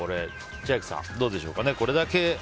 千秋さん、どうでしょうか。